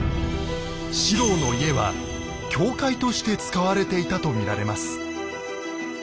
四郎の家は教会として使われていたと見られます。